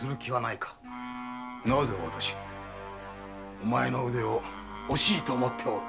お前の腕を惜しいと思っておる。